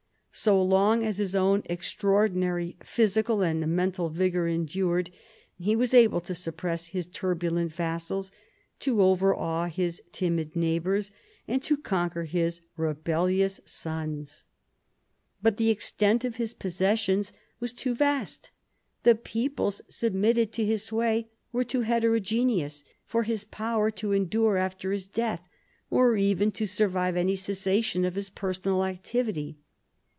So long as his own extra ordinary physical and mental vigour endured, he was able to suppress his turbulent vassals, to overawe his timid neighbours, and to conquer his rebellious sons. I THE FRANKISH MONARCHY 11 But the extent of his possessions was too vast, the peoples submitted to his sway were too heterogeneous, for his power to endure after his death, or even to sur vive any cessation of his personal activity.